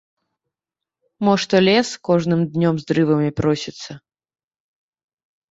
Мо што лес кожным днём з дрывамі просіцца.